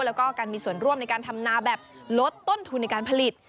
แล้วก็การมีส่วนร่วมในการทำนาแบบลดต้นทุนในการผลิต